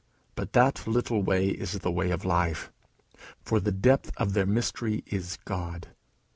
But that little way is the way of life; for the depth of their mystery is God.